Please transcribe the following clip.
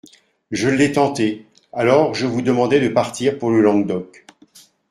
Je l'ai tenté ; alors, je vous demandai de partir pour le Languedoc.